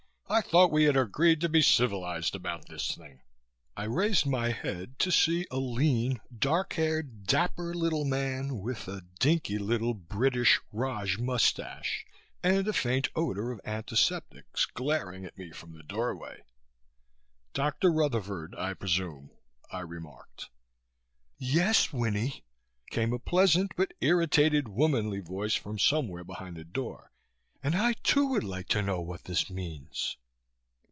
"I thought we had agreed to be civilized about this thing." I raised my head to see a lean, dark haired, dapper little man, with a dinky little British Raj mustache and a faint odor of antiseptics, glaring at me from the doorway. "Dr. Rutherford, I presume!" I remarked. "Yes, Winnie," came a pleasant but irritated womanly voice from somewhere behind the doctor, "and I too would like to know what this means."